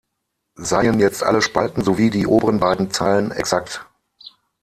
Seien jetzt alle Spalten sowie die oberen beiden Zeilen exakt.